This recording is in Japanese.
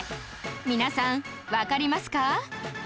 皆さんわかりますか？